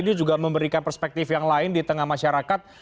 dia juga memberikan perspektif yang lain di tengah masyarakat